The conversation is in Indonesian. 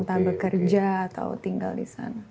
entah bekerja atau tinggal di sana